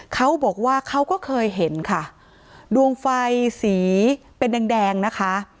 เขาบอกว่าเขาก็เคยเห็นค่ะดวงไฟสีเป็นแดงนะคะ